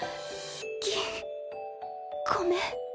銀ごめん。